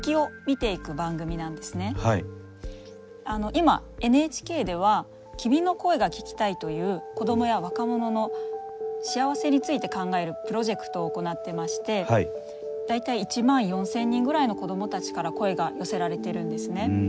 今ＮＨＫでは「君の声が聴きたい」という子どもや若者の幸せについて考えるプロジェクトを行ってまして大体１万４，０００人ぐらいの子どもたちから声が寄せられてるんですね。